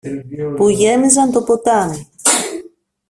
που γέμιζαν το ποτάμι